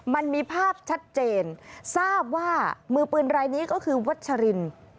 มันมีภาพชัดเจนทราบว่ามือปืนรายนี้ก็คือวัชริน